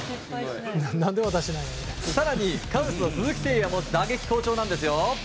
更に、カブスの鈴木誠也も打撃好調なんですよ！